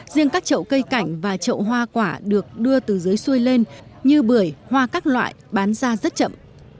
riêng các chậu cây cảnh và chậu hoa quả được đưa từ dưới xôi lên như bưởi hoa các loại bán ra rất chậm